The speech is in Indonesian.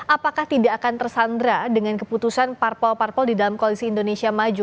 apakah tidak akan tersandra dengan keputusan parpol parpol di dalam koalisi indonesia maju